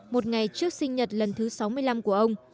một ngày trước sinh nhật lần thứ sáu mươi năm của ông